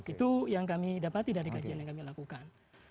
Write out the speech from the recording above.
itu yang kami dapati dari kajian yang kami lakukan